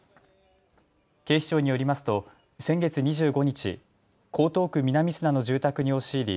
警視庁によりますと先月２５日、江東区南砂の住宅に押し入り